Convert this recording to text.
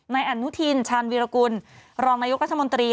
นายอนุทินชาญวีรกุลรองนายกรัฐมนตรี